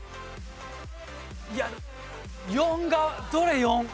いや４が。どれ？